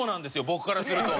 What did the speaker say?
僕からすると。